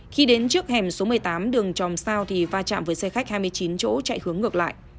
khi đến trước hẻm số một mươi tám đường tròm sao thì va chạm với xe khách hai mươi chín chỗ chạy hướng ngược lại